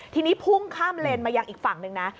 ทีนี้พุ่งข้ามเลนมายังอีกฝั่งหนึ่งนะ